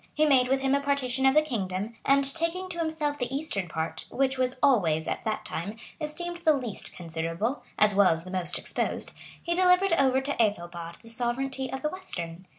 He made with him a partition of the kingdom; and, taking to himself the eastern part, which was always, at that time, esteemed the least considerable, as well as the most exposed,[] he delivered over to Ethelbald the sovereignty of the western.